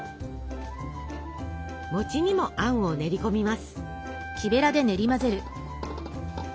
にもあんを練り込みます。